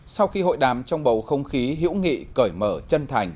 sau khi hội đàm trong bầu không khí hữu nghị cởi mở chân thành